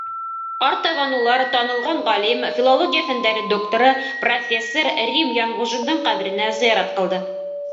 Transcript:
Артабан улар танылған ғалим, филология фәндәре докторы, профессор Рим Янғужиндың ҡәберенә зыярат ҡылды.